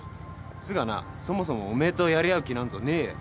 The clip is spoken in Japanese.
つうかなそもそもおめえとやり合う気なんぞねえよ。